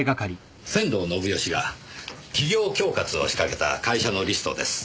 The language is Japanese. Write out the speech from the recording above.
仙道信義が企業恐喝を仕掛けた会社のリストです。